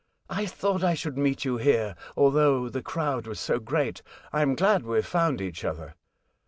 " I thought I should meet you here, although the crowd was so great. I am glad we have found each other."